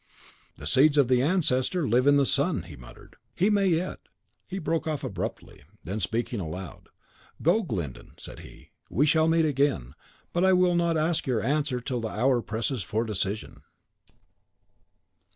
"The seeds of the ancestor live in the son," he muttered; "he may yet " He broke off abruptly; then, speaking aloud, "Go, Glyndon," said he; "we shall meet again, but I will not ask your answer till the hour presses for decision."